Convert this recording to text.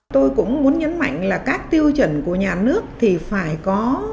tôi cũng muốn nhấn mạnh là các tiêu chuẩn của nhà nước thì phải có